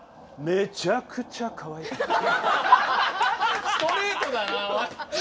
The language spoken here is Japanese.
めちゃくちゃかわいかった！